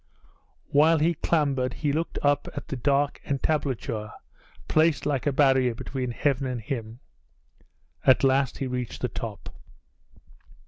While he clambered he looked up at the dark entablature placed like a barrier between heaven and him. At last he reached the top.